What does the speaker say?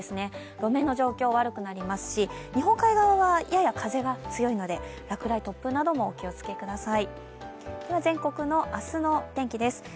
路面の状況、悪くなりますし日本海側はやや風が強いので落雷、突風などもお気をつけください。